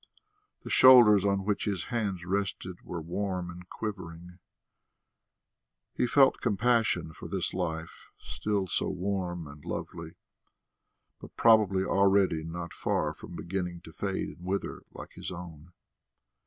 The shoulders on which his hands rested were warm and quivering. He felt compassion for this life, still so warm and lovely, but probably already not far from beginning to fade and wither like his own.